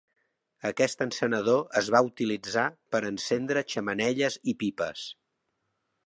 Aquest encenedor es va utilitzar per encendre xemeneies i pipes.